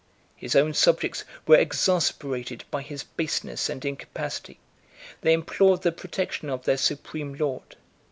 His own subjects were exasperated by his baseness and incapacity; they implored the protection of their supreme lord.